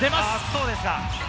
そうですか。